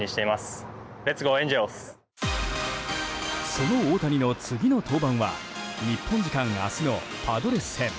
その大谷の次の登板予定は日本時間明日のパドレス戦。